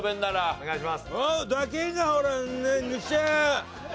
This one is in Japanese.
お願いします。